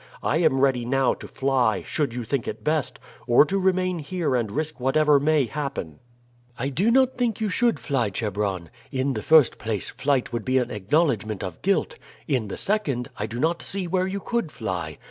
I am ready now to fly, should you think it best, or to remain here and risk whatever may happen." "I do not think you should fly, Chebron. In the first place, flight would be an acknowledgment of guilt; in the second, I do not see where you could fly.